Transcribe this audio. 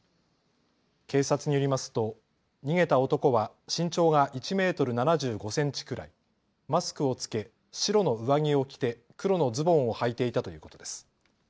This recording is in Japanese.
警察によりますと逃げた男は身長が１メートル７５センチくらい、マスクを着け白の上着を着て黒のズボンをはいていたということです。